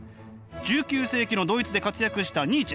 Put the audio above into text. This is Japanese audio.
１９世紀のドイツで活躍したニーチェ。